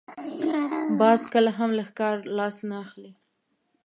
باز کله هم له ښکار لاس نه اخلي